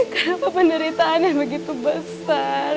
kenapa penderitaannya begitu besar